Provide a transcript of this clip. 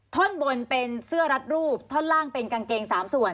ท่อนบนเป็นเสื้อรัดรูปท่อนล่างเป็นกางเกง๓ส่วน